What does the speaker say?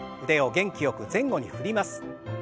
腕を元気よく前後に振ります。